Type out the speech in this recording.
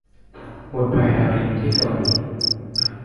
หมุดไผ่ดาวดินอยู่ที่เกาหลี